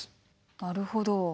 なるほど。